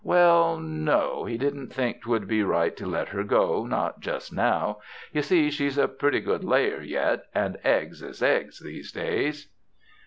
Well, no o he didn't think 'twould be right to let her go, not just now; you see, she's a purty good layer yet, and eggs is eggs, these days.